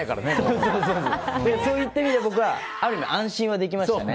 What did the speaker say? そういった意味で僕は安心はできましたね。